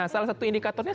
nah salah satu indikatornya